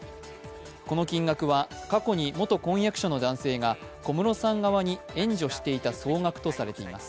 この金額は過去に元婚約者の男性が小室さん側に援助していた総額とされています。